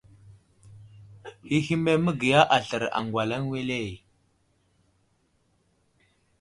Həhme məgiya aslər agwalaŋ wele ?